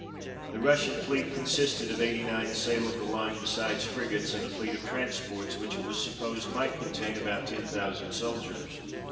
The Russian fleet consisted of eighty nine sail of the line besides frigates, and a fleet of transports which it was supposed might contain about ten thousand soldiers.